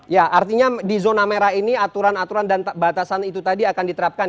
ya artinya di zona merah ini aturan aturan dan batasan itu tadi akan diterapkan